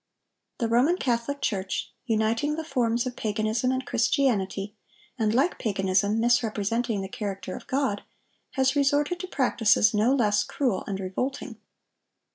The Roman Catholic Church, uniting the forms of paganism and Christianity, and, like paganism, misrepresenting the character of God, has resorted to practices no less cruel and revolting.